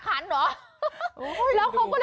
ใครออกแบบห้องน้ำวะ